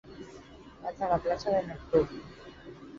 Vaig a la plaça de Neptú.